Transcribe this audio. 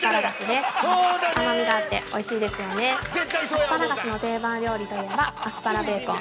アスパラガスの定番料理といえばアスパラベーコン。